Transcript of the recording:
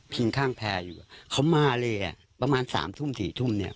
ข้างแพร่อยู่อ่ะเขามาเลยอ่ะประมาณสามทุ่มสี่ทุ่มเนี่ย